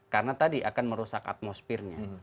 karena tadi akan merusak atmosfernya